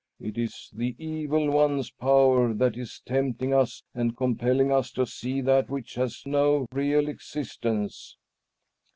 It is the Evil One's power that is tempting us and compelling us to see that which has no real existence."